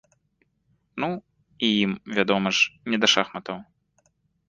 Ну, і ім, вядома ж, не да шахматаў.